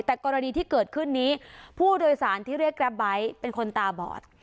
แต่กรณีที่เกิดขึ้นนี้ผู้โดยสารที่เรียกแกรปไบท์เป็นคนตาบอด